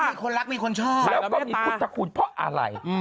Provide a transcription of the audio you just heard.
มีคนรักมีคนชอบแล้วก็มีพุทธคุณเพราะอะไร